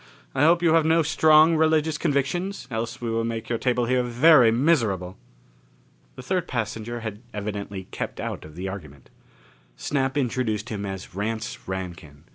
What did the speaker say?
I hope you have no strong religious convictions, else we will make your table here very miserable!" The third passenger had evidently kept out of the argument. Snap introduced him as Rance Rankin.